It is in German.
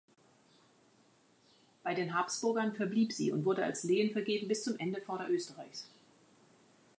Bei den Habsburgern verblieb sie und wurde als Lehen vergeben bis zum Ende Vorderösterreichs.